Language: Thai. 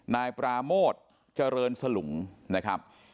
นายปราโมทเจริญสลุงนะครับ